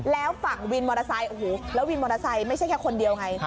แล้วฝั่งวินมอเตอร์ไซค์โอ้โหแล้ววินมอเตอร์ไซค์ไม่ใช่แค่คนเดียวไง